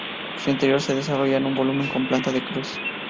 Su interior se desarrolla en un volumen con planta de cruz.